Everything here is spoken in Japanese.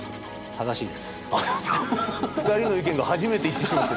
正しいです。